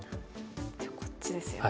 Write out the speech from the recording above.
じゃあこっちですよね。